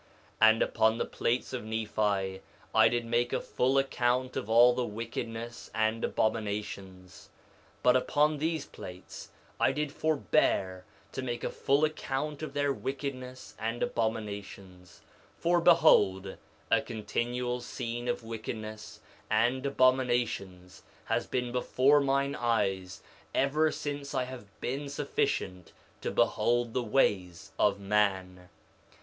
2:18 And upon the plates of Nephi I did make a full account of all the wickedness and abominations; but upon these plates I did forbear to make a full account of their wickedness and abominations, for behold, a continual scene of wickedness and abominations has been before mine eyes ever since I have been sufficient to behold the ways of man.